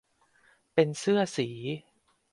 เป็นเสื้อสี